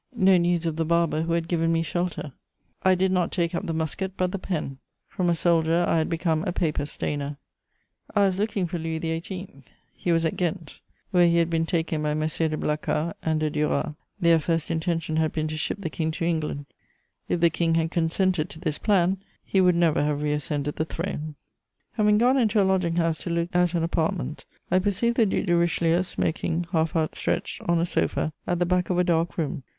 No news of the barber who had given me shelter. I did not take up the musket, but the pen; from a soldier I had become a paper stainer. I was looking for Louis XVIII.; he was at Ghent, where he had been taken by Messieurs de Blacas and de Duras: their first intention had been to ship the King to England. If the King had consented to this plan, he would never have reascended the throne. Having gone into a lodging house to look at an apartment, I perceived the Duc de Richelieu smoking, half outstretched on a sofa, at the back of a dark room.